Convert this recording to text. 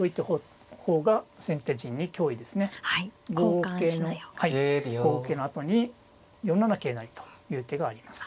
５五桂のあとに４七桂成という手があります。